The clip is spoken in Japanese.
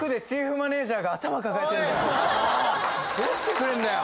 どうしてくれんだよ